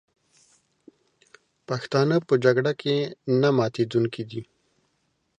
پښتانه په جګړه کې نه ماتېدونکي دي.